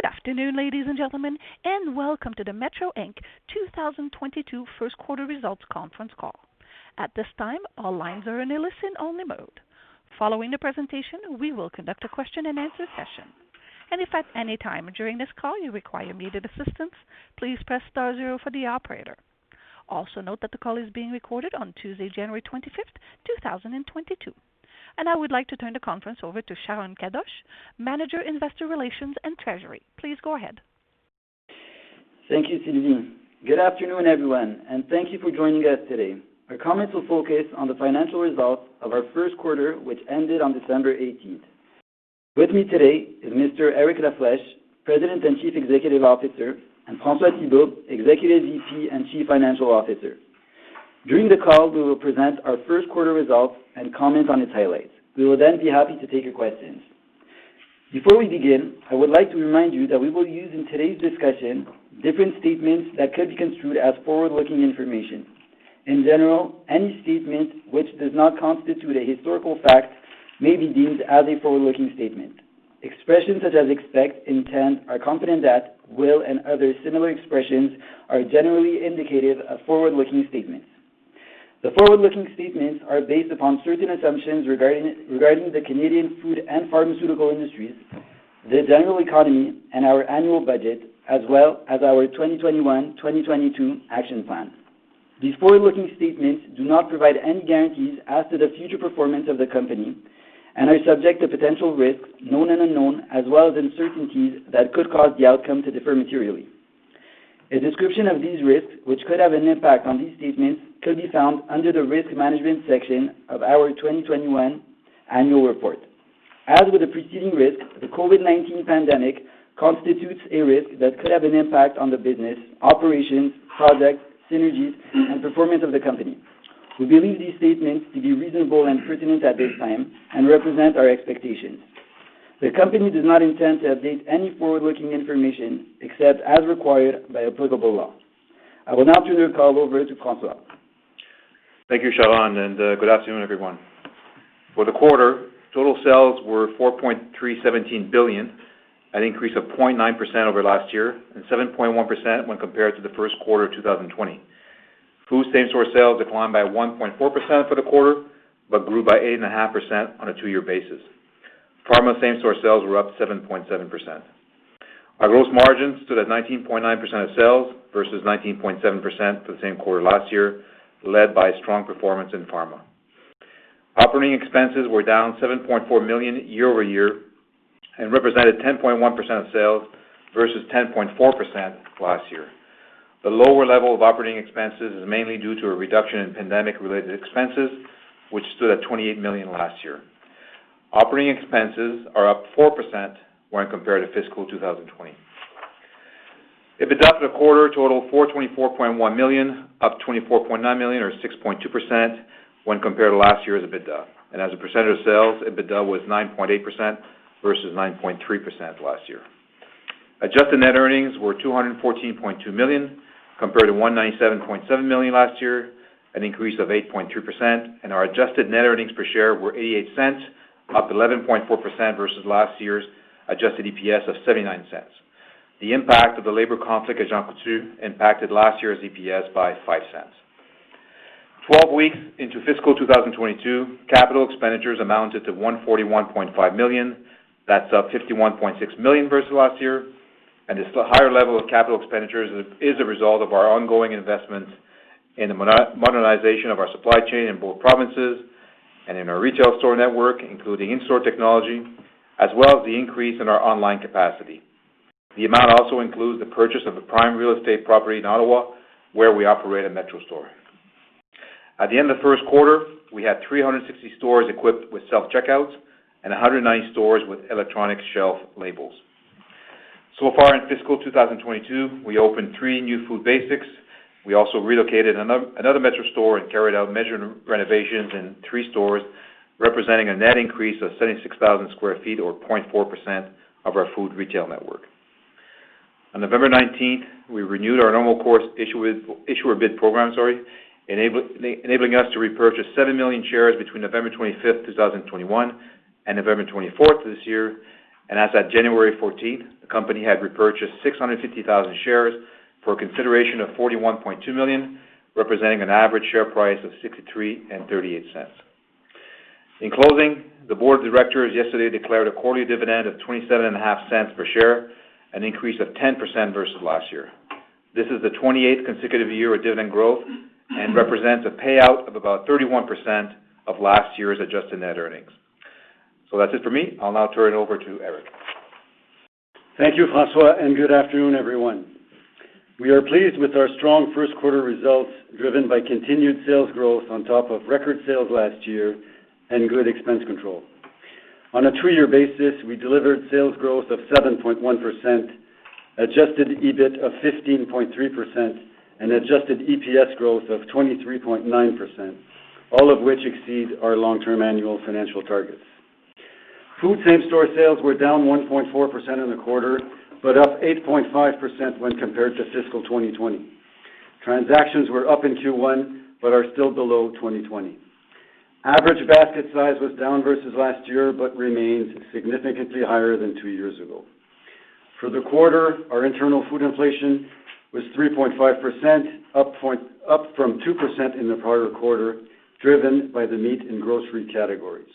Good afternoon, ladies and gentlemen, and welcome to the Metro Inc. 2022 first quarter results conference call. At this time, all lines are in a listen-only mode. Following the presentation, we will conduct a question-and-answer session. If at any time during this call you require immediate assistance, please press star zero for the operator. Also note that the call is being recorded on Tuesday, January 25, 2022. I would like to turn the conference over to Sharon Kadoche, Manager, Investor Relations and Treasury. Please go ahead. Thank you, Sylvie. Good afternoon, everyone, and thank you for joining us today. Our comments will focus on the financial results of our first quarter, which ended on December 18. With me today is Mr. Eric La Flèche, President and Chief Executive Officer, and François Thibault, Executive Vice President and Chief Financial Officer. During the call, we will present our first quarter results and comment on its highlights. We will then be happy to take your questions. Before we begin, I would like to remind you that we will use in today's discussion different statements that could be construed as forward-looking information. In general, any statement which does not constitute a historical fact may be deemed as a forward-looking statement. Expressions such as expect, intend, are confident that, will, and other similar expressions are generally indicative of forward-looking statements. The forward-looking statements are based upon certain assumptions regarding the Canadian food and pharmaceutical industries, the general economy, and our annual budget, as well as our 2021/2022 action plan. These forward-looking statements do not provide any guarantees as to the future performance of the company and are subject to potential risks, known and unknown, as well as uncertainties that could cause the outcome to differ materially. A description of these risks, which could have an impact on these statements, could be found under the Risk Management section of our 2021 annual report. As with the preceding risk, the COVID-19 pandemic constitutes a risk that could have an impact on the business operations, projects, synergies, and performance of the company. We believe these statements to be reasonable and pertinent at this time and represent our expectations. The company does not intend to update any forward-looking information except as required by applicable law. I will now turn the call over to François. Thank you, Sharon, and good afternoon, everyone. For the quarter, total sales were 4.317 billion, an increase of 0.9% over last year, and 7.1% when compared to the first quarter of 2020. Food same-store sales declined by 1.4% for the quarter, but grew by 8.5% on a two-year basis. Pharma same-store sales were up 7.7%. Our gross margins stood at 19.9% of sales versus 19.7% for the same quarter last year, led by strong performance in pharma. Operating expenses were down 7.4 million year over year and represented 10.1% of sales versus 10.4% last year. The lower level of operating expenses is mainly due to a reduction in pandemic-related expenses, which stood at 28 million last year. Operating expenses are up 4% when compared to fiscal 2020. EBITDA for the quarter totaled 424.1 million, up 24.9 million or 6.2% when compared to last year's EBITDA. As a percentage of sales, EBITDA was 9.8% versus 9.3% last year. Adjusted net earnings were 214.2 million, compared to 197.7 million last year, an increase of 8.3%, and our adjusted net earnings per share were 0.88, up 11.4% versus last year's adjusted EPS of 0.79. The impact of the labor conflict at Jean Coutu impacted last year's EPS by 0.05. 12 weeks into fiscal 2022, capital expenditures amounted to 141.5 million. That's up 51.6 million versus last year, and this higher level of capital expenditures is a result of our ongoing investments in the modernization of our supply chain in both provinces and in our retail store network, including in-store technology, as well as the increase in our online capacity. The amount also includes the purchase of a prime real estate property in Ottawa, where we operate a Metro store. At the end of the first quarter, we had 360 stores equipped with self-checkouts and 190 stores with electronic shelf labels. So far in fiscal 2022, we opened three new Food Basics. We also relocated another Metro store and carried out major renovations in three stores, representing a net increase of 76,000 sq ft or 0.4% of our food retail network. On November 19, we renewed our normal course issuer bid program, sorry, enabling us to repurchase 7 million shares between November 25, 2021 and November 24 this year, and as at January 14, the company had repurchased 650,000 shares for a consideration of 41.2 million, representing an average share price of 63.38. In closing, the board of directors yesterday declared a quarterly dividend of 0.275 per share, an increase of 10% versus last year. This is the 28th consecutive year of dividend growth and represents a payout of about 31% of last year's adjusted net earnings. That's it for me. I'll now turn it over to Eric. Thank you, François, and good afternoon, everyone. We are pleased with our strong first quarter results, driven by continued sales growth on top of record sales last year and good expense control. On a two-year basis, we delivered sales growth of 7.1%, adjusted EBIT of 15.3%, and adjusted EPS growth of 23.9%, all of which exceed our long-term annual financial targets. Food same-store sales were down 1.4% in the quarter, but up 8.5% when compared to fiscal 2020. Transactions were up in Q1 but are still below 2020. Average basket size was down versus last year, but remains significantly higher than two years ago. For the quarter, our internal food inflation was 3.5%, up from 2% in the prior quarter, driven by the meat and grocery categories.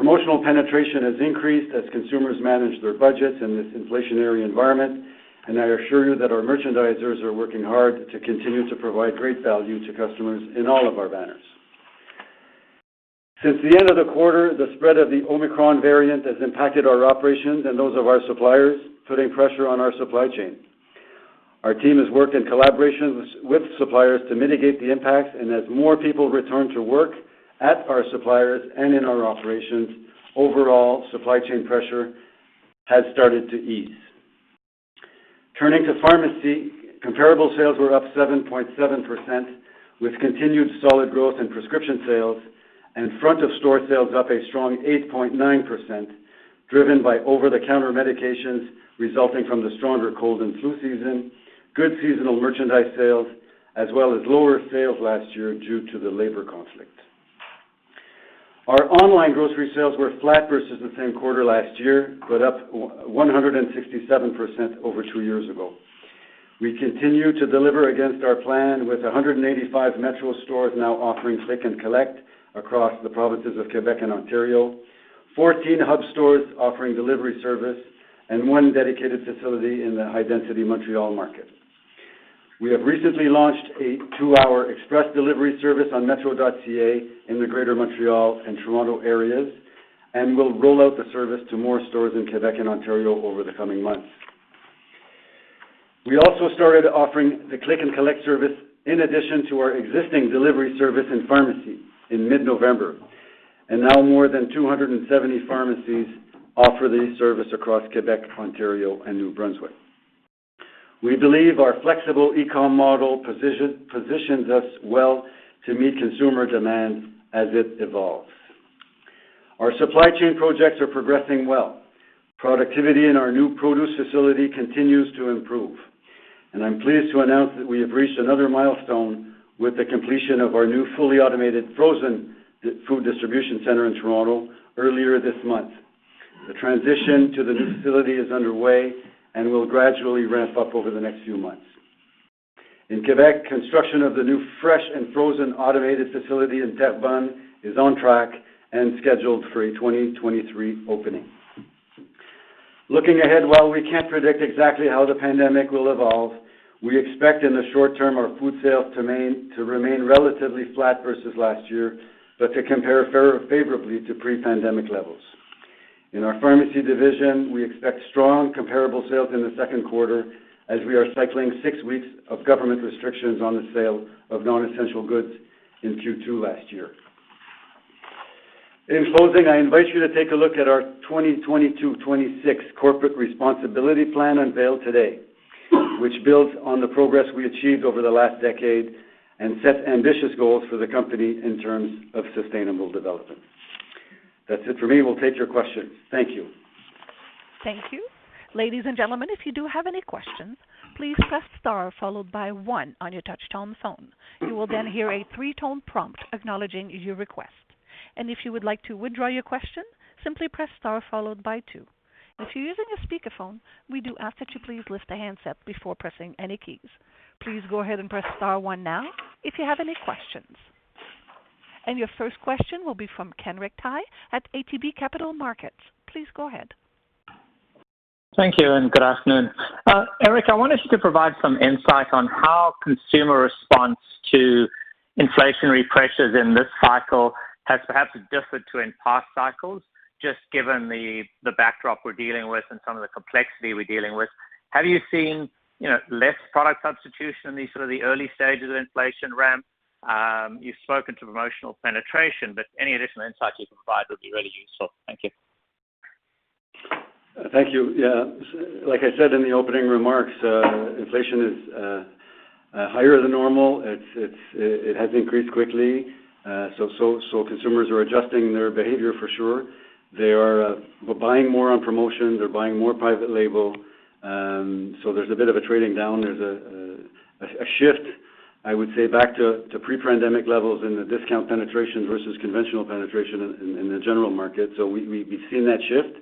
Promotional penetration has increased as consumers manage their budgets in this inflationary environment, and I assure you that our merchandisers are working hard to continue to provide great value to customers in all of our banners. Since the end of the quarter, the spread of the Omicron variant has impacted our operations and those of our suppliers, putting pressure on our supply chain. Our team has worked in collaboration with suppliers to mitigate the impacts, and as more people return to work at our suppliers and in our operations, overall supply chain pressure has started to ease. Turning to pharmacy, comparable sales were up 7.7% with continued solid growth in prescription sales and front of store sales up a strong 8.9%, driven by over-the-counter medications resulting from the stronger cold and flu season, good seasonal merchandise sales, as well as lower sales last year due to the labor conflict. Our online grocery sales were flat versus the same quarter last year, but up 167% over two years ago. We continue to deliver against our plan with 185 Metro stores now offering click and collect across the provinces of Quebec and Ontario, 14 hub stores offering delivery service, and one dedicated facility in the high-density Montreal market. We have recently launched a two hour express delivery service on metro.ca in the Greater Montreal and Toronto areas, and we'll roll out the service to more stores in Quebec and Ontario over the coming months. We also started offering the click and collect service in addition to our existing delivery service and pharmacy in mid-November, and now more than 270 pharmacies offer the service across Quebec, Ontario, and New Brunswick. We believe our flexible e-com model positions us well to meet consumer demand as it evolves. Our supply chain projects are progressing well. Productivity in our new produce facility continues to improve, and I'm pleased to announce that we have reached another milestone with the completion of our new fully automated frozen food distribution center in Toronto earlier this month. The transition to the new facility is underway and will gradually ramp up over the next few months. In Quebec, construction of the new fresh and frozen automated facility in Terrebonne is on track and scheduled for a 2023 opening. Looking ahead, while we can't predict exactly how the pandemic will evolve, we expect in the short term our food sales to remain relatively flat versus last year, but to compare favorably to pre-pandemic levels. In our pharmacy division, we expect strong comparable sales in the second quarter as we are cycling six weeks of government restrictions on the sale of non-essential goods in Q2 last year. In closing, I invite you to take a look at our 2022-2026 Corporate Responsibility Plan unveiled today, which builds on the progress we achieved over the last decade and sets ambitious goals for the company in terms of sustainable development. That's it for me. We'll take your questions. Thank you. Thank you. Ladies and gentlemen, if you do have any questions, please press star followed by one on your touchtone phone. You will then hear a three-tone prompt acknowledging your request. If you would like to withdraw your question, simply press star followed by two. If you're using a speakerphone, we do ask that you please lift the handset before pressing any keys. Please go ahead and press star one now if you have any questions. Your first question will be from Kenric Tyghe at ATB Capital Markets. Please go ahead. Thank you, and good afternoon. Eric Laflèche, I wanted you to provide some insight on how consumer response to inflationary pressures in this cycle has perhaps differed to in past cycles, just given the backdrop we're dealing with and some of the complexity we're dealing with. Have you seen, you know, less product substitution in these sort of the early stages of inflation ramp? You've spoken to promotional penetration, but any additional insight you can provide would be really useful. Thank you. Thank you. Yeah, like I said in the opening remarks, inflation is higher than normal. It has increased quickly. Consumers are adjusting their behavior for sure. They are buying more on promotion. They're buying more private label. There's a bit of a trading down. There's a shift, I would say, back to pre-pandemic levels in the discount penetration versus conventional penetration in the general market. We've seen that shift,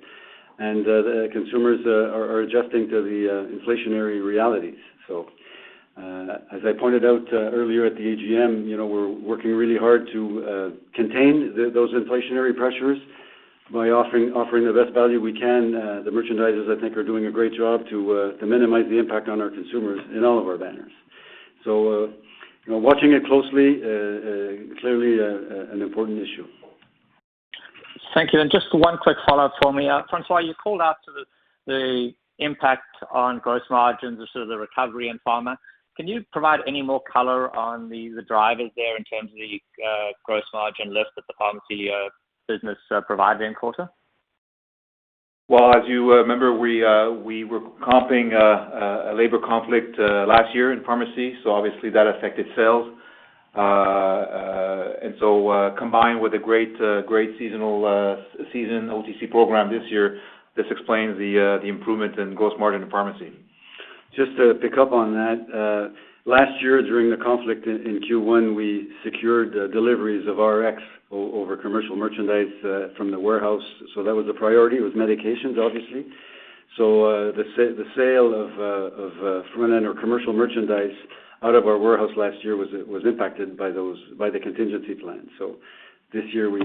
and the consumers are adjusting to the inflationary realities. As I pointed out earlier at the AGM, you know, we're working really hard to contain those inflationary pressures by offering the best value we can. The merchandisers, I think, are doing a great job to minimize the impact on our consumers in all of our banners. You know, watching it closely, clearly an important issue. Thank you, and just one quick follow-up for me. François, you called out the impact on gross margins as sort of the recovery in pharma. Can you provide any more color on the drivers there in terms of the gross margin lift that the pharmacy business provided in quarter? Well, as you remember, we were comping a labor conflict last year in pharmacy, so obviously that affected sales. Combined with a great seasonal OTC program this year, this explains the improvement in gross margin in pharmacy. Just to pick up on that, last year during the conflict in Q1, we secured deliveries of RX over commercial merchandise from the warehouse. That was the priority, medications, obviously. The sale of front-end or commercial merchandise out of our warehouse last year was impacted by those, by the contingency plan. This year we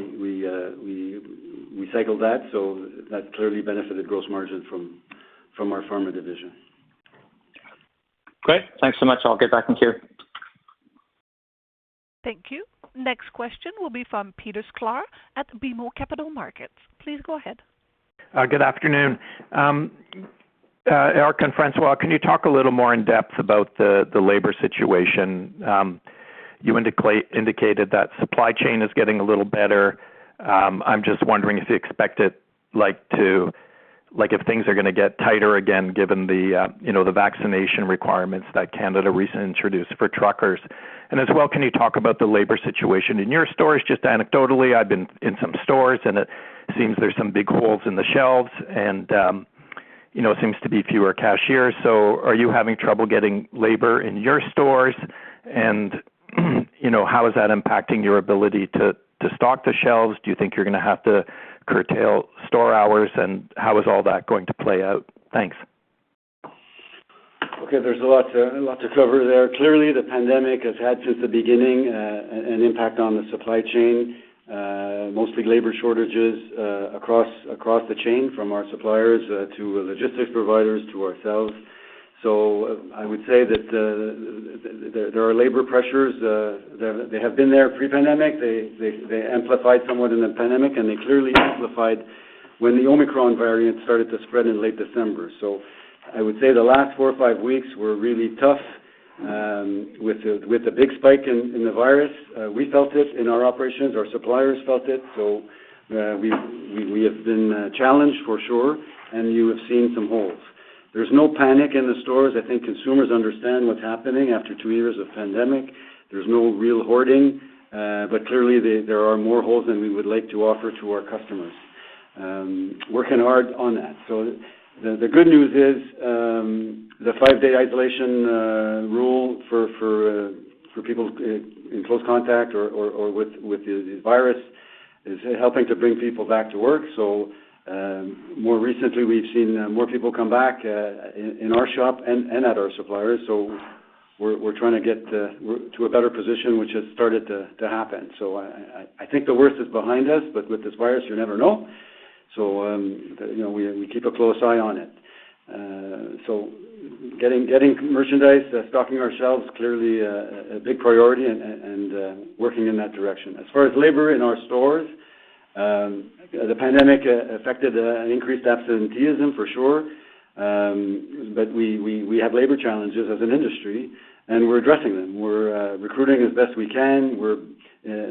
cycled that, so that clearly benefited gross margin from our pharma division. Great. Thanks so much. I'll get back in queue. Thank you. Next question will be from Peter Sklar at BMO Capital Markets. Please go ahead. Good afternoon. Eric and François, can you talk a little more in depth about the labor situation? You indicated that supply chain is getting a little better. I'm just wondering if you expect it like to like if things are gonna get tighter again, given you know the vaccination requirements that Canada recently introduced for truckers. As well, can you talk about the labor situation in your stores? Just anecdotally, I've been in some stores, and it seems there's some big holes in the shelves and you know seems to be fewer cashiers. Are you having trouble getting labor in your stores? You know, how is that impacting your ability to stock the shelves? Do you think you're gonna have to curtail store hours, and how is all that going to play out? Thanks. Okay, there's a lot to cover there. Clearly, the pandemic has had, since the beginning, an impact on the supply chain, mostly labor shortages, across the chain, from our suppliers to logistics providers to ourselves. I would say that there are labor pressures, they have been there pre-pandemic. They amplified somewhat in the pandemic, and they clearly amplified when the Omicron variant started to spread in late December. I would say the last four or five weeks were really tough, with the big spike in the virus. We felt it in our operations. Our suppliers felt it. We have been challenged for sure, and you have seen some holes. There's no panic in the stores. I think consumers understand what's happening after two years of pandemic. There's no real hoarding. Clearly there are more holes than we would like to offer to our customers. Working hard on that. The good news is the five-day isolation rule for people in close contact or with the virus is helping to bring people back to work. More recently, we've seen more people come back in our shop and at our suppliers. We're trying to get to a better position, which has started to happen. I think the worst is behind us, but with this virus, you never know. You know, we keep a close eye on it. Getting merchandise, stocking our shelves clearly a big priority and working in that direction. As far as labor in our stores, the pandemic affected and increased absenteeism for sure. We have labor challenges as an industry, and we're addressing them. We're recruiting as best we can. We're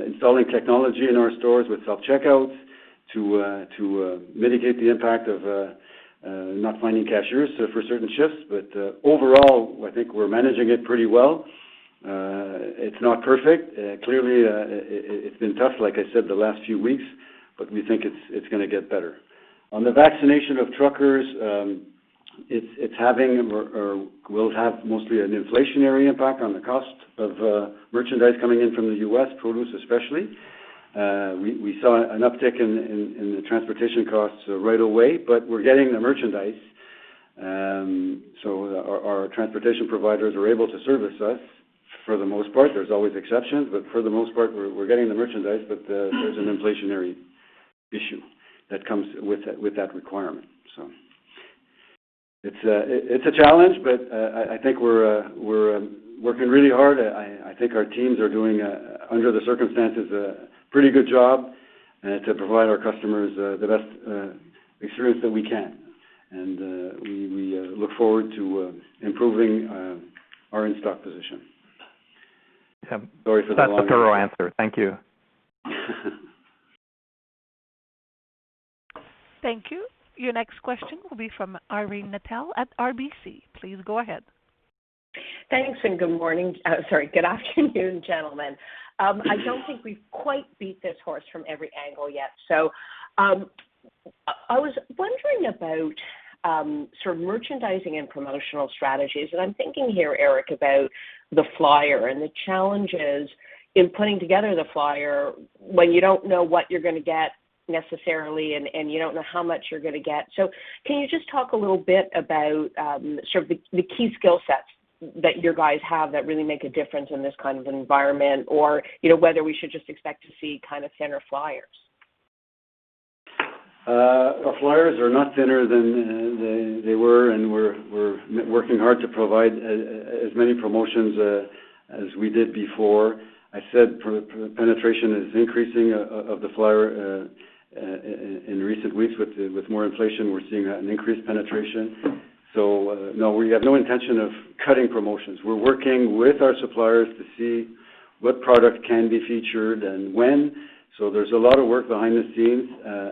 installing technology in our stores with self-checkouts to mitigate the impact of not finding cashiers for certain shifts. Overall, I think we're managing it pretty well. It's not perfect. Clearly, it's been tough, like I said, the last few weeks, but we think it's gonna get better. On the vaccination of truckers, it's having or will have mostly an inflationary impact on the cost of merchandise coming in from the U.S., produce especially. We saw an uptick in the transportation costs right away, but we're getting the merchandise. So our transportation providers are able to service us for the most part. There's always exceptions, but for the most part, we're getting the merchandise. But there's an inflationary issue that comes with that requirement, so. It's a challenge, but I think we're working really hard. I think our teams are doing under the circumstances a pretty good job to provide our customers the best experience that we can. We look forward to improving our in-stock position. Sorry for the long answer. That's a thorough answer. Thank you. Thank you. Your next question will be from Irene Nattel at RBC. Please go ahead. Thanks, and good morning. Sorry, good afternoon, gentlemen. I don't think we've quite beat this horse from every angle yet. I was wondering about sort of merchandising and promotional strategies, and I'm thinking here, Eric, about the flyer and the challenges in putting together the flyer when you don't know what you're gonna get necessarily and you don't know how much you're gonna get. Can you just talk a little bit about sort of the key skill sets that your guys have that really make a difference in this kind of environment or, you know, whether we should just expect to see kind of thinner flyers. Our flyers are not thinner than they were, and we're working hard to provide as many promotions as we did before. I said penetration is increasing of the flyer in recent weeks. With more inflation, we're seeing an increased penetration. No, we have no intention of cutting promotions. We're working with our suppliers to see what product can be featured and when. There's a lot of work behind the scenes.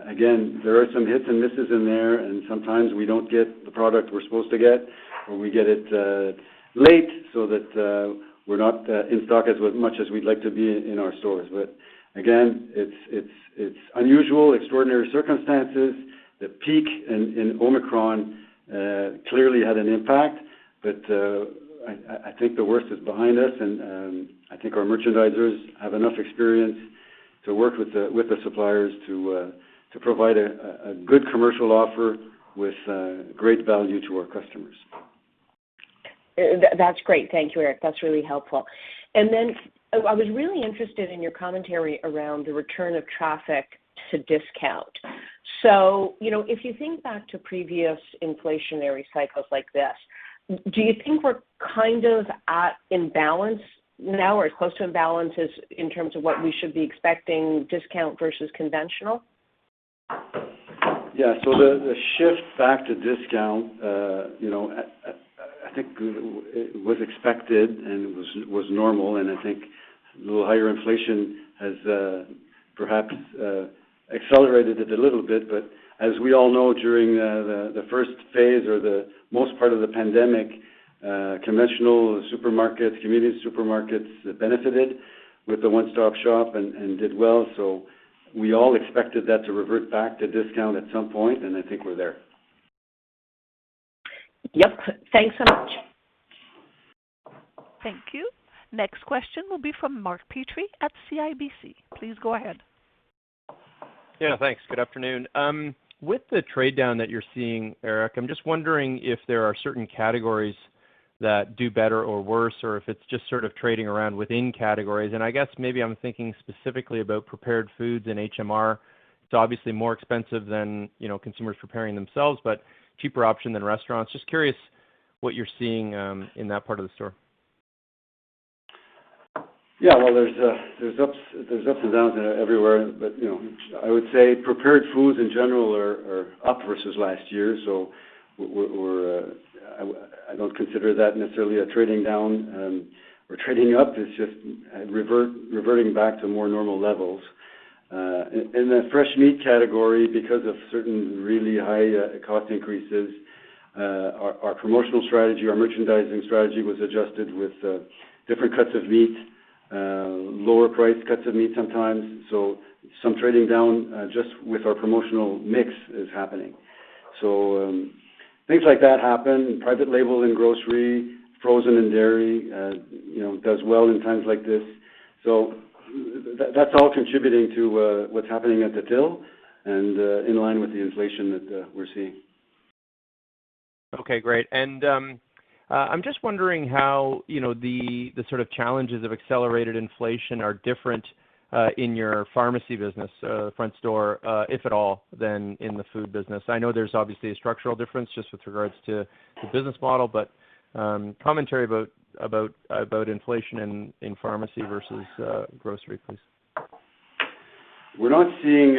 Again, there are some hits and misses in there, and sometimes we don't get the product we're supposed to get, or we get it late so that we're not in stock as much as we'd like to be in our stores. Again, it's unusual, extraordinary circumstances. The peak in Omicron clearly had an impact. I think the worst is behind us. I think our merchandisers have enough experience to work with the suppliers to provide a good commercial offer with great value to our customers. That's great. Thank you, Eric. That's really helpful. I was really interested in your commentary around the return of traffic to discount. You know, if you think back to previous inflationary cycles like this, do you think we're kind of at imbalance now or as close to imbalance as in terms of what we should be expecting discount versus conventional? Yeah. The shift back to discount, you know, I think it was expected and it was normal, and I think a little higher inflation has perhaps accelerated it a little bit. But as we all know, during the first phase or the most part of the pandemic, conventional supermarkets, community supermarkets benefited with the one-stop-shop and did well. We all expected that to revert back to discount at some point, and I think we're there. Yep. Thanks so much. Thank you. Next question will be from Mark Petrie at CIBC. Please go ahead. Yeah, thanks. Good afternoon. With the trade-down that you're seeing, Eric, I'm just wondering if there are certain categories that do better or worse, or if it's just sort of trading around within categories. I guess maybe I'm thinking specifically about prepared foods and HMR. It's obviously more expensive than, you know, consumers preparing themselves, but cheaper option than restaurants. Just curious what you're seeing in that part of the store. Yeah. Well, there's ups and downs everywhere. I would say prepared foods in general are up versus last year, so I don't consider that necessarily a trading down or trading up. It's just reverting back to more normal levels. In the fresh meat category, because of certain really high cost increases, our promotional strategy, our merchandising strategy was adjusted with different cuts of meat, lower priced cuts of meat sometimes. Some trading down just with our promotional mix is happening. Things like that happen. Private label in grocery, frozen and dairy, you know, does well in times like this. That's all contributing to what's happening at the till and in line with the inflation that we're seeing. Okay, great. I'm just wondering how, you know, the sort of challenges of accelerated inflation are different in your pharmacy business, front store, if at all, than in the food business. I know there's obviously a structural difference just with regards to the business model, but commentary about inflation in pharmacy versus grocery, please. We're not seeing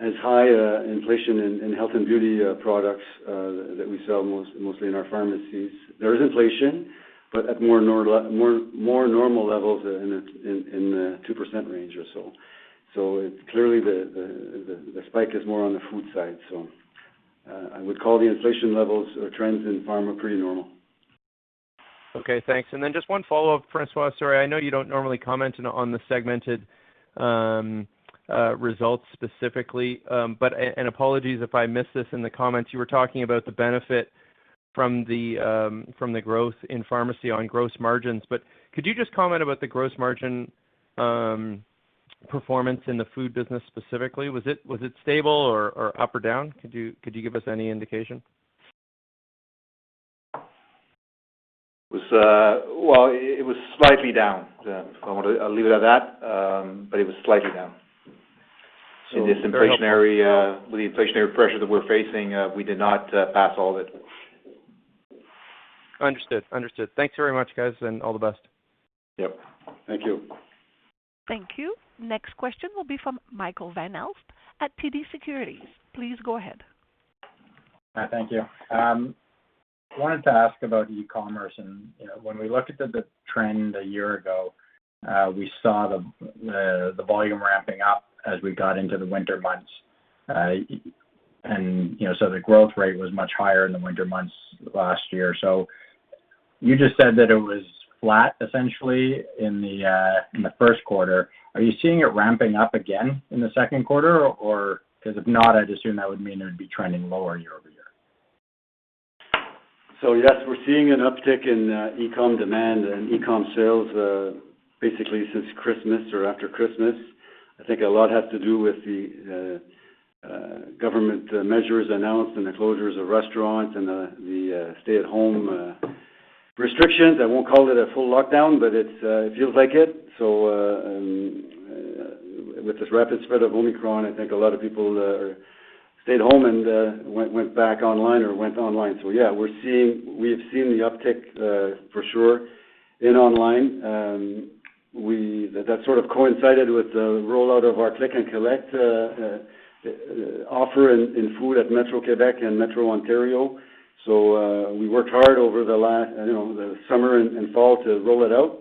as high inflation in health and beauty products that we sell mostly in our pharmacies. There is inflation, but at more normal levels in the 2% range or so. I would call the inflation levels or trends in pharma pretty normal. Okay, thanks. Just one follow-up, François, sorry. I know you don't normally comment on the segmented results specifically, and apologies if I missed this in the comments you were talking about the benefit from the growth in pharmacy on gross margins. Could you just comment about the gross margin performance in the food business specifically? Was it stable or up or down? Could you give us any indication? It was, well, it was slightly down. I want to leave it at that, but it was slightly down. So very- In this inflationary pressure that we're facing, we did not pass all that. Understood. Thanks very much, guys, and all the best. Yep. Thank you. Thank you. Next question will be from Michael Van Aelst at TD Securities. Please go ahead. Thank you. Wanted to ask about e-commerce. You know, when we look at the trend a year ago, we saw the volume ramping up as we got into the winter months. You know, so the growth rate was much higher in the winter months last year. You just said that it was flat essentially in the first quarter. Are you seeing it ramping up again in the second quarter, or, 'cause if not, I'd assume that would mean it would be trending lower year over year. Yes, we're seeing an uptick in e-com demand and e-com sales, basically since Christmas or after Christmas. I think a lot has to do with the government measures announced and the closures of restaurants and the stay-at-home restrictions. I won't call it a full lockdown, but it feels like it. With this rapid spread of Omicron, I think a lot of people stayed home and went back online or went online. Yeah, we've seen the uptick for sure in online. That sort of coincided with the rollout of our click and collect offer in food at Metro Quebec and Metro Ontario. We worked hard over the last, you know, the summer and fall to roll it out.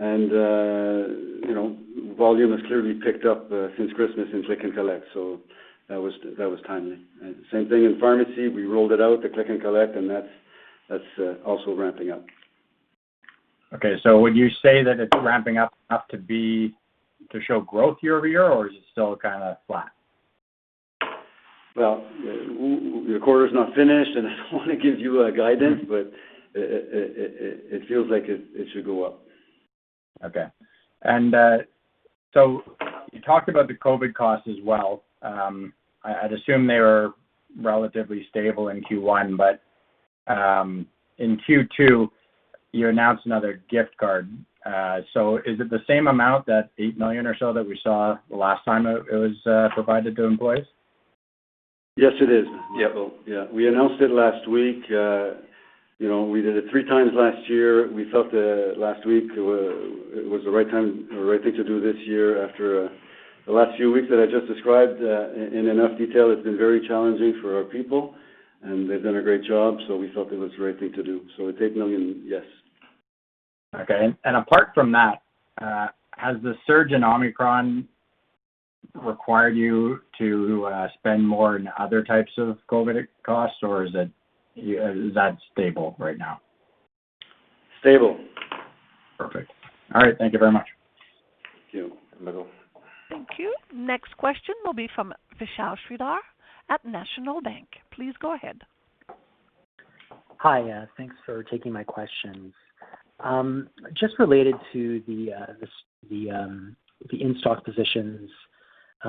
You know, volume has clearly picked up since Christmas in click and collect, so that was timely. Same thing in pharmacy. We rolled it out, the click and collect, and that's also ramping up. Okay. Would you say that it's ramping up to show growth year over year, or is it still kinda flat? Well, the quarter's not finished, and I don't wanna give you a guidance, but it feels like it should go up. Okay. You talked about the COVID costs as well. I'd assume they were relatively stable in Q1, but in Q2, you announced another gift card. Is it the same amount, that 8 million or so that we saw the last time it was provided to employees? Yes, it is. Yeah. Yeah. We announced it last week. You know, we did it 3 times last year. We felt last week it was the right time or right thing to do this year after the last few weeks that I just described in enough detail. It's been very challenging for our people, and they've done a great job, so we felt it was the right thing to do. 8 million, yes. Okay. Apart from that, has the surge in Omicron required you to spend more in other types of COVID costs, or is that stable right now? Stable. Perfect. All right, thank you very much. Thank you, Michael. Thank you. Next question will be from Vishal Shreedhar at National Bank. Please go ahead. Hi, thanks for taking my questions. Just related to the in-stock positions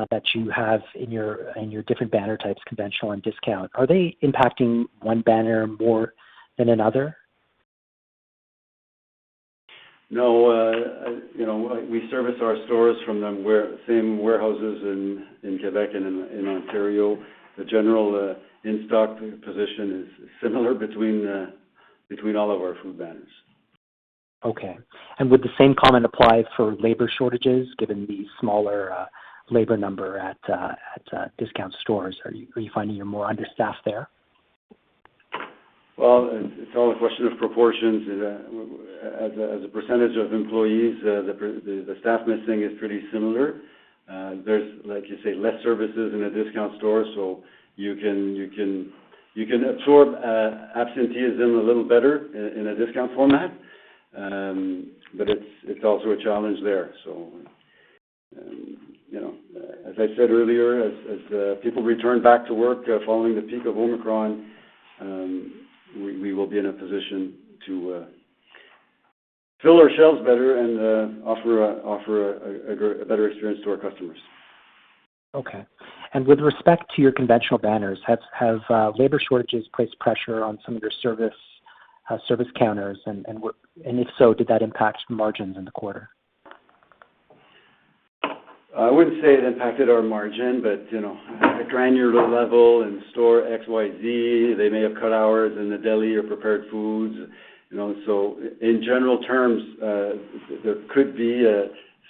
that you have in your different banner types, conventional and discount, are they impacting one banner more than another? No, you know, we service our stores from the same warehouses in Quebec and in Ontario. The general in-stock position is similar between all of our food banners. Okay. Would the same comment apply for labor shortages, given the smaller labor number at discount stores? Are you finding you're more understaffed there? Well, it's all a question of proportions. As a percentage of employees, the staff missing is pretty similar. There's, like you say, less services in a discount store, so you can absorb absenteeism a little better in a discount format. It's also a challenge there. You know, as I said earlier, as people return back to work following the peak of Omicron, we will be in a position to fill our shelves better and offer a better experience to our customers. Okay. With respect to your conventional banners, have labor shortages placed pressure on some of your service counters? If so, did that impact margins in the quarter? I wouldn't say it impacted our margin, but, you know, at a granular level in store XYZ, they may have cut hours in the deli or prepared foods. You know, in general terms, there could be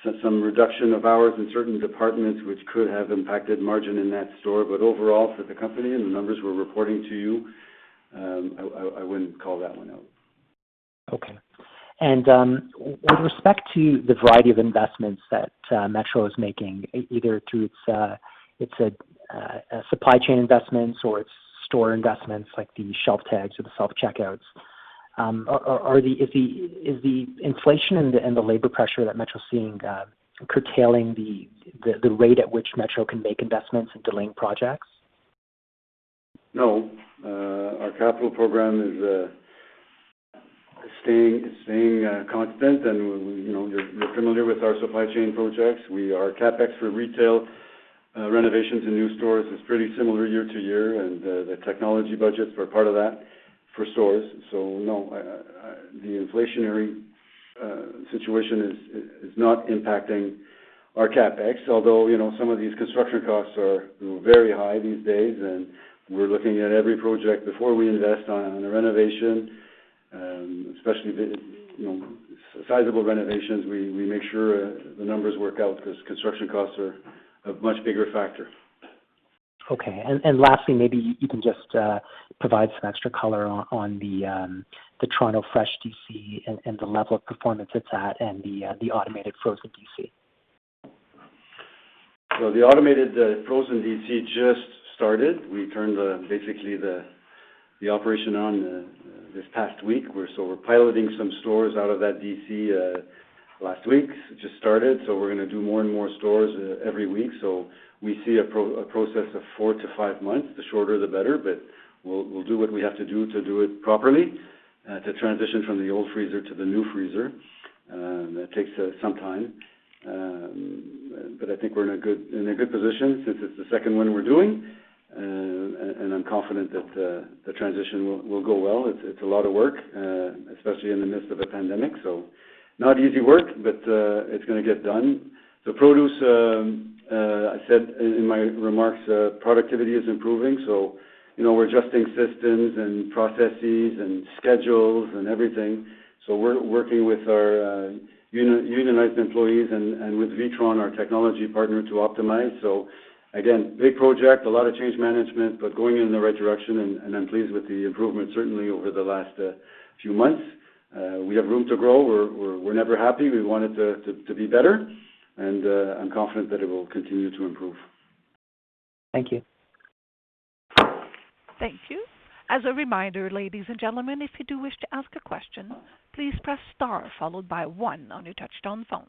so some reduction of hours in certain departments which could have impacted margin in that store. Overall, for the company and the numbers we're reporting to you, I wouldn't call that one out. Okay. With respect to the variety of investments that Metro is making, either through its supply chain investments or its store investments like the shelf tags or the self-checkouts, is the inflation and the labor pressure that Metro's seeing curtailing the rate at which Metro can make investments and delaying projects? No. Our capital program is staying constant. You know, you're familiar with our supply chain projects. Our CapEx for retail renovations in new stores is pretty similar year to year, and the technology budgets are part of that for stores. No, the inflationary situation is not impacting our CapEx. Although, you know, some of these construction costs are, you know, very high these days, and we're looking at every project before we invest on a renovation, especially the sizable renovations, we make sure the numbers work out because construction costs are a much bigger factor. Okay. Lastly, maybe you can just provide some extra color on the Toronto Fresh DC and the level of performance it's at and the automated frozen DC. The automated frozen DC just started. We turned the operation on this past week. We're piloting some stores out of that DC last week. Just started, we're gonna do more and more stores every week. We see a process of four to five months. The shorter, the better, but we'll do what we have to do to do it properly to transition from the old freezer to the new freezer. That takes some time. I think we're in a good position since it's the second one we're doing. I'm confident that the transition will go well. It's a lot of work, especially in the midst of a pandemic, so not easy work, but it's gonna get done. The produce, I said in my remarks, productivity is improving, so you know, we're adjusting systems and processes and schedules and everything. We're working with our unionized employees and with WITRON, our technology partner, to optimize. Again, big project, a lot of change management, but going in the right direction, and I'm pleased with the improvement certainly over the last few months. We have room to grow. We're never happy. We want it to be better, and I'm confident that it will continue to improve. Thank you. Thank you. As a reminder, ladies and gentlemen, if you do wish to ask a question, please press star followed by one on your touchtone phone.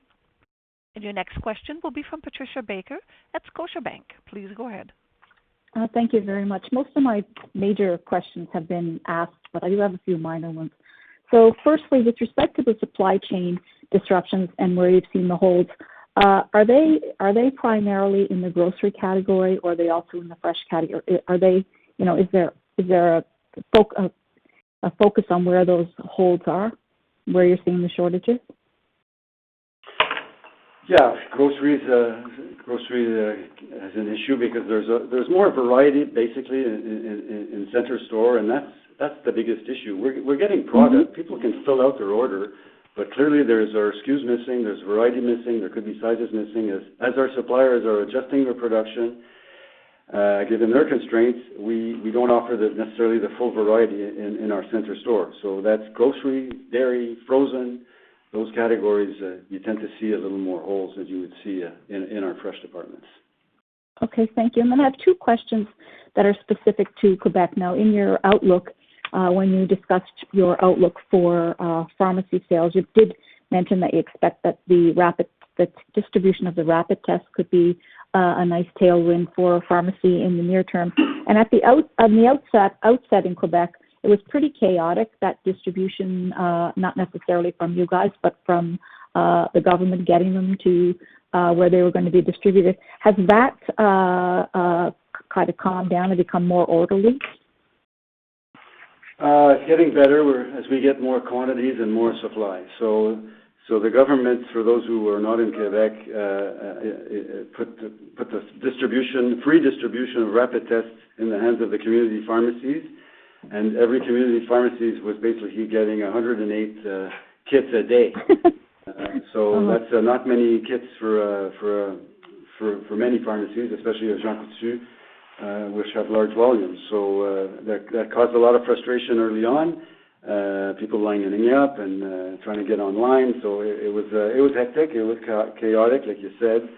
Your next question will be from Patricia Baker at Scotiabank. Please go ahead. Thank you very much. Most of my major questions have been asked, but I do have a few minor ones. Firstly, with respect to the supply chain disruptions and where you've seen the holes, are they primarily in the grocery category or are they also in the fresh category? You know, is there a focus on where those holes are, where you're seeing the shortages? Yeah. Grocery is an issue because there's more variety basically in center store, and that's the biggest issue. We're getting product. Mm-hmm. People can fill out their order, but clearly there are SKUs missing, there's variety missing, there could be sizes missing. As our suppliers are adjusting their production, given their constraints, we don't offer necessarily the full variety in our center store. That's grocery, dairy, frozen, those categories. You tend to see a little more holes as you would see in our fresh departments. Okay, thank you. I have two questions that are specific to Quebec now. In your outlook, when you discussed your outlook for pharmacy sales, you did mention that you expect that the distribution of the rapid tests could be a nice tailwind for pharmacy in the near term. On the outset in Quebec, it was pretty chaotic, that distribution, not necessarily from you guys, but from the government getting them to where they were gonna be distributed. Has that kinda calmed down and become more orderly? It's getting better as we get more quantities and more supply. The government, for those who are not in Quebec, put the free distribution of rapid tests in the hands of the community pharmacies. Every community pharmacy was basically getting 108 kits a day. Oh. That's not many kits for many pharmacies, especially at Jean Coutu, which have large volumes. That caused a lot of frustration early on, people lining up and trying to get online. It was hectic. It was chaotic, like you said.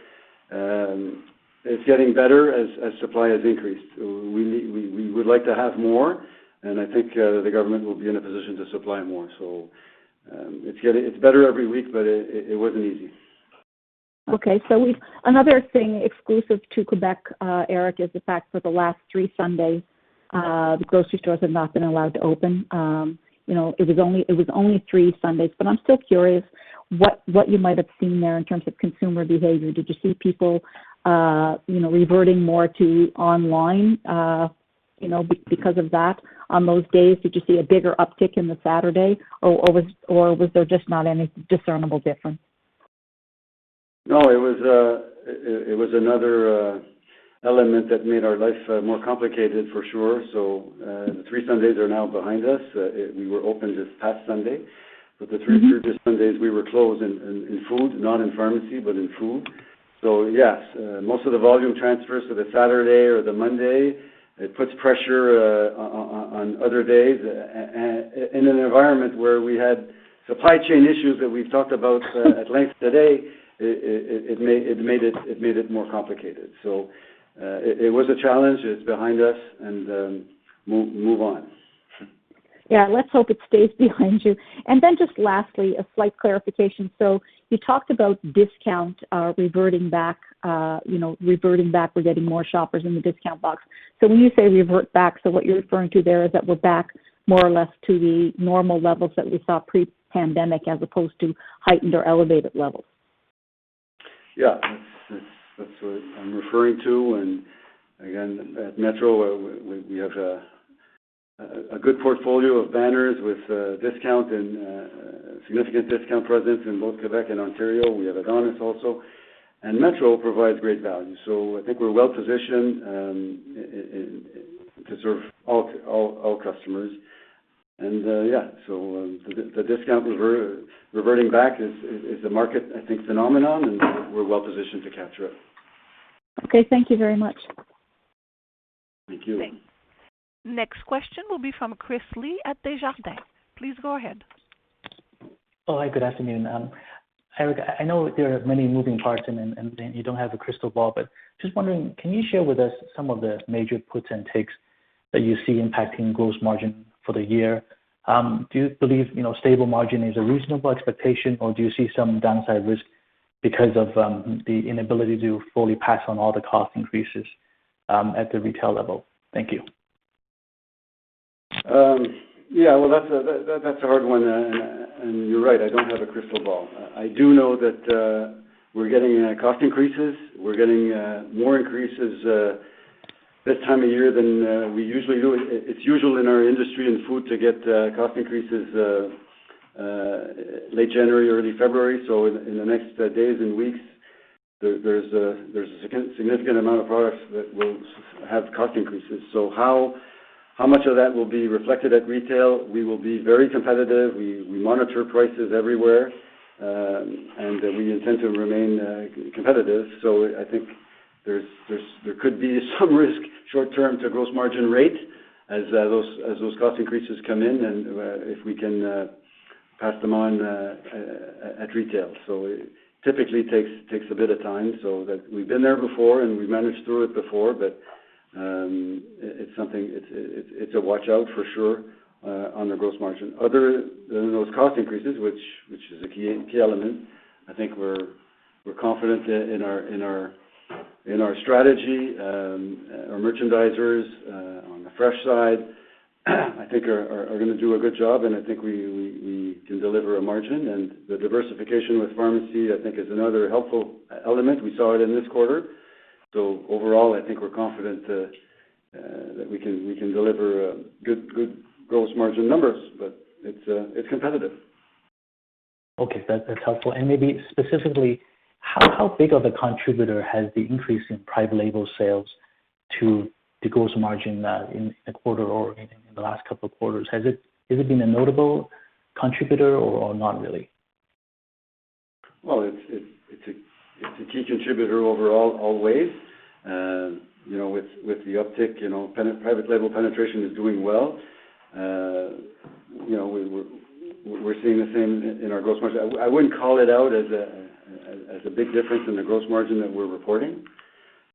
It's getting better as supply has increased. We would like to have more, and I think the government will be in a position to supply more. It's better every week, but it wasn't easy. Another thing exclusive to Quebec, Eric, is the fact for the last three Sundays, the grocery stores have not been allowed to open. It was only three Sundays, but I'm still curious what you might have seen there in terms of consumer behavior. Did you see people reverting more to online because of that on those days? Did you see a bigger uptick in the Saturday, or was there just not any discernible difference? No, it was another element that made our life more complicated for sure. The three Sundays are now behind us. We were open this past Sunday. Mm-hmm. The three previous Sundays, we were closed in food, not in pharmacy, but in food. Yes, most of the volume transfers to the Saturday or the Monday. It puts pressure on other days. In an environment where we had supply chain issues that we've talked about at length today, it made it more complicated. It was a challenge. It's behind us and move on. Yeah. Let's hope it stays behind you. Then just lastly, a slight clarification. You talked about discount reverting back. We're getting more shoppers in the discount box. When you say revert back, what you're referring to there is that we're back more or less to the normal levels that we saw pre-pandemic as opposed to heightened or elevated levels? Yeah. That's what I'm referring to. Again, at Metro, we have a good portfolio of banners with discount and significant discount presence in both Quebec and Ontario. We have Adonis also. Metro provides great value. I think we're well positioned to serve all customers. The discount reverting back is a market, I think, phenomenon, and we're well positioned to capture it. Okay. Thank you very much. Thank you. Next question will be from Chris Li at Desjardins. Please go ahead. Oh, hi. Good afternoon. Eric, I know there are many moving parts and you don't have a crystal ball, but just wondering, can you share with us some of the major puts and takes that you see impacting gross margin for the year? Do you believe, you know, stable margin is a reasonable expectation, or do you see some downside risk because of the inability to fully pass on all the cost increases at the retail level? Thank you. Yeah, well, that's a hard one, and you're right, I don't have a crystal ball. I do know that we're getting cost increases. We're getting more increases this time of year than we usually do. It's usual in our industry in food to get cost increases late January, early February. In the next days and weeks, there's a significant amount of products that will have cost increases. How much of that will be reflected at retail? We will be very competitive. We monitor prices everywhere, and we intend to remain competitive. I think there's there could be some risk short term to gross margin rate as those cost increases come in and if we can pass them on at retail. It typically takes a bit of time so that we've been there before, and we managed through it before. It's something it's a watch-out for sure on the gross margin. Other than those cost increases, which is a key element, I think we're confident in our strategy, our merchandisers on the fresh side, I think are gonna do a good job. I think we can deliver a margin. The diversification with pharmacy, I think is another helpful element. We saw it in this quarter. Overall, I think we're confident that we can deliver good gross margin numbers. It's competitive. Okay. That's helpful. Maybe specifically, how big of a contributor has the increase in private label sales to the gross margin in the quarter or in the last couple of quarters? Has it been a notable contributor or not really? Well, it's a key contributor overall always. You know, with the uptick, you know, private label penetration is doing well. You know, we're seeing the same in our gross margin. I wouldn't call it out as a big difference in the gross margin that we're reporting,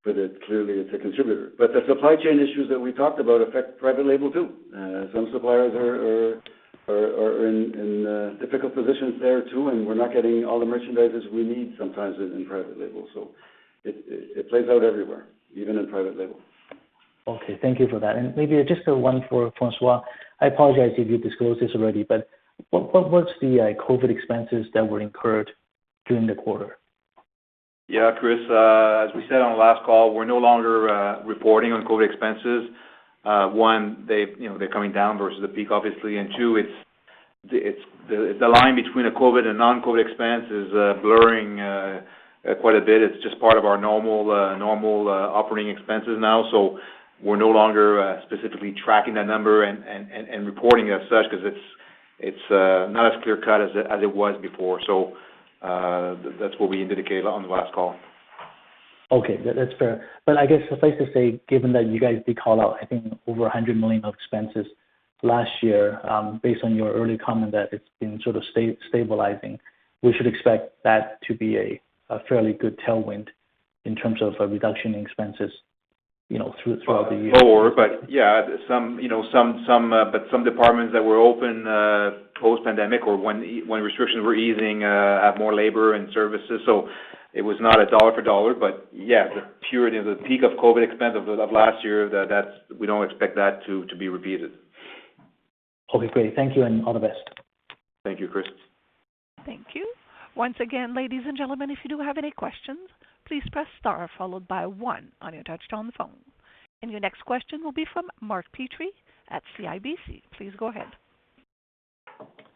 but clearly it's a contributor. The supply chain issues that we talked about affect private label, too. Some suppliers are in difficult positions there, too, and we're not getting all the merchandisers we need sometimes in private label. It plays out everywhere, even in private label. Okay, thank you for that. Maybe just one for François. I apologize if you disclosed this already, but what was the COVID expenses that were incurred during the quarter? Yeah, Chris, as we said on the last call, we're no longer reporting on COVID expenses. One, they, you know, they're coming down versus the peak, obviously. Two, it's the line between a COVID and non-COVID expense is blurring quite a bit. It's just part of our normal operating expenses now. We're no longer specifically tracking that number and reporting as such 'cause it's not as clear-cut as it was before. That's what we indicated on the last call. Okay. That's fair. I guess suffice to say, given that you guys did call out, I think, over 100 million of expenses last year, based on your early comment that it's been sort of stabilizing, we should expect that to be a fairly good tailwind in terms of a reduction in expenses, you know, throughout the year. You know, some departments that were open post-pandemic or when restrictions were easing have more labor and services. It was not a dollar-for-dollar. The parity of the peak COVID expense of last year. We don't expect that to be repeated. Okay, great. Thank you and all the best. Thank you, Chris. Thank you. Once again, ladies and gentlemen, if you do have any questions, please press star followed by one on your touchtone phone. Your next question will be from Mark Petrie at CIBC. Please go ahead.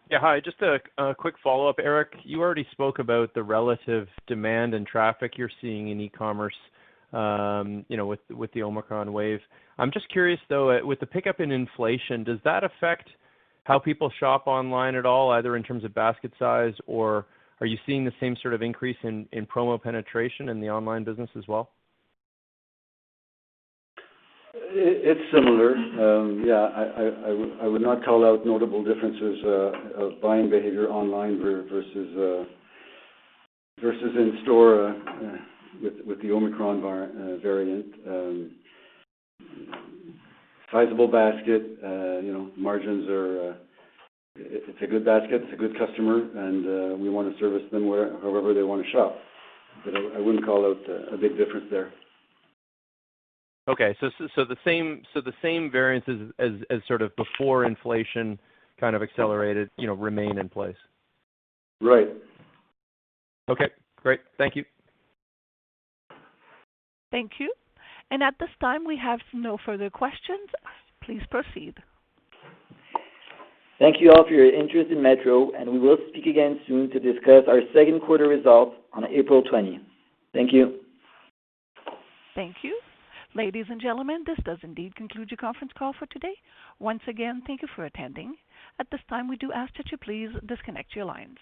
Yeah, hi. Just a quick follow-up, Eric. You already spoke about the relative demand and traffic you're seeing in e-commerce, with the Omicron wave. I'm just curious, though, with the pickup in inflation, does that affect how people shop online at all, either in terms of basket size, or are you seeing the same sort of increase in promo penetration in the online business as well? It's similar. Yeah, I would not call out notable differences of buying behavior online versus in store with the Omicron variant. Sizable basket, you know, margins are. If it's a good basket, it's a good customer, and we wanna service them however they wanna shop. But I wouldn't call out a big difference there. Okay. The same variances as sort of before inflation kind of accelerated, you know, remain in place? Right. Okay, great. Thank you. Thank you. At this time, we have no further questions. Please proceed. Thank you all for your interest in Metro, and we will speak again soon to discuss our second quarter results on April 20. Thank you. Thank you. Ladies and gentlemen, this does indeed conclude your conference call for today. Once again, thank you for attending. At this time, we do ask that you please disconnect your lines.